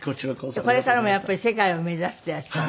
これからもやっぱり世界を目指していらっしゃるの？